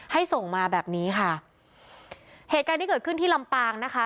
ส่งมาแบบนี้ค่ะเหตุการณ์ที่เกิดขึ้นที่ลำปางนะคะ